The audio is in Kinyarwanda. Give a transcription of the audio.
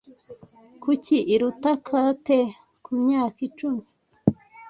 Kuki iruta Kate kumyaka icumi.